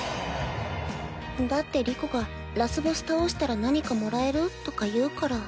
だって莉子がラスボス倒したら何かもらえるとか言うから。